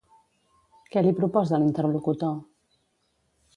Què li proposa l'interlocutor?